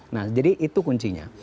nah jadi itu kuncinya